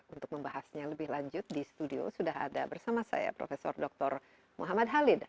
untuk membahasnya lebih lanjut di studio sudah ada bersama saya prof dr muhammad halid